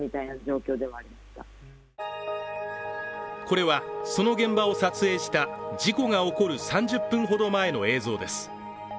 これは、その現場を撮影した事故が起こる３０分ほど前の映像です。